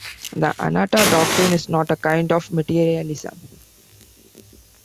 The "anatta" doctrine is not a kind of materialism.